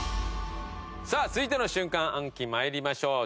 さあ続いての瞬間暗記参りましょう。